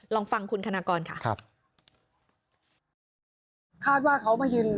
ลองฟังคุณคณะกรค่ะค่ะค่ะ